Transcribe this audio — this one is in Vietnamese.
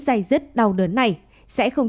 dây dứt đau đớn này sẽ không